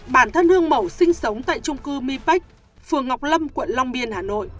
bản thân hương mẩu sinh sống tại trung cư mi bách phường ngọc lâm quận long biên hà nội